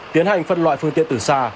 tiến hành phân loại phương tiện từ xa